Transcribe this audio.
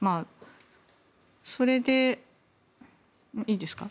それで、いいですか？